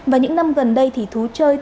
và những năm gần đây thì thú chơi